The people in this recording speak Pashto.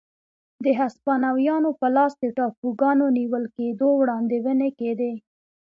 د هسپانویانو په لاس د ټاپوګانو نیول کېدو وړاندوېنې کېدې.